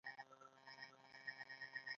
میلمه پالنه ولې د افغانانو دود دی؟